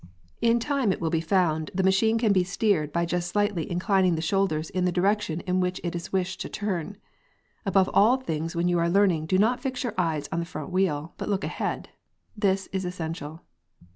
In time it will be found the machine can be steered by just slightlyinclining the shoulders in the direction in which it is wished to turn. Above all things when you are learning do not fix your eyes on the front wheel, but look ahead. This is essential.